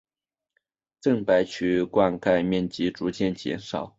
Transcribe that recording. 郑白渠灌溉面积逐渐减少。